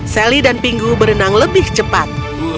sally dan pingu berenang lebih cepat